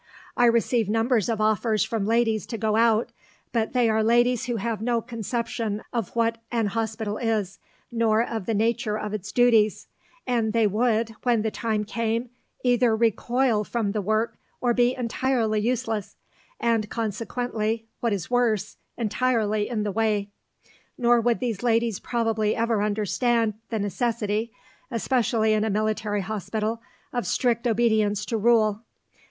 I receive numbers of offers from ladies to go out, but they are ladies who have no conception of what an hospital is, nor of the nature of its duties; and they would, when the time came, either recoil from the work or be entirely useless, and consequently what is worse entirely in the way. Nor would these ladies probably ever understand the necessity, especially in a military hospital, of strict obedience to rule.